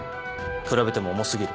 比べても重過ぎる。